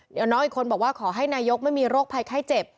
เดี๋ยวน้องอีกคนบอกว่าขอให้นายกไม่มีโรคภัยไข้เจ็บ